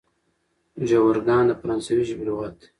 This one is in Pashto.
ژورګان د فرانسوي ژبي لغات دئ.